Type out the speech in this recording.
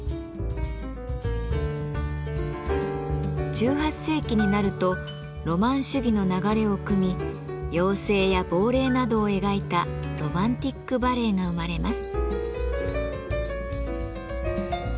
１８世紀になるとロマン主義の流れをくみ妖精や亡霊などを描いたロマンティック・バレエが生まれます。